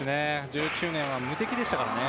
１９年は無敵でしたからね。